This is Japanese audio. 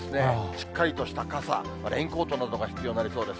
しっかりとした傘、レインコートなどが必要になりそうです。